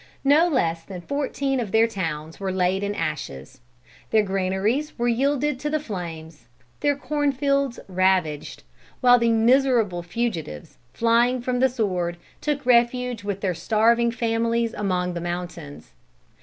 No less than fourteen of their towns were laid in ashes; their granaries were yielded to the flames, their corn fields ravaged, while the miserable fugitives, flying from the sword, took refuge with their starving families among the mountains.